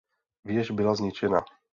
Věž byla zničena.